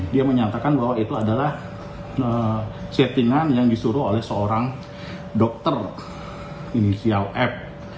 dia menyatakan bahwa itu adalah settingan yang disuruh oleh seorang dokter inisial f